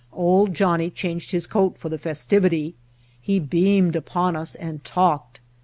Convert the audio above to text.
"Old Johnnie" changed his coat for the festivity; he beamed upon us and talked.